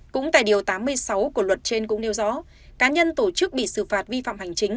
cũng tại điều tám mươi sáu của luật trên cũng nêu rõ cá nhân tổ chức bị xử phạt vi phạm hành chính